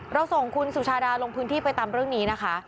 เราส่งคุณสุชาดาลงพื้นที่ไปตามเรื่องนี้นะคะ